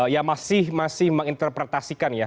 ya masih menginterpretasikan ya